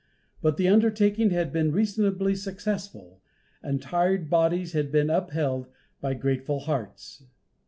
But the undertaking had been reasonably successful, and tired bodies had been upheld by grateful hearts.